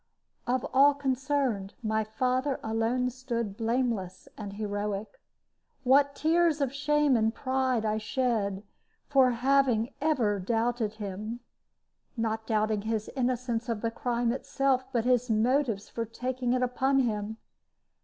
Of all concerned, my father alone stood blameless and heroic. What tears of shame and pride I shed, for ever having doubted him! not doubting his innocence of the crime itself, but his motives for taking it upon him.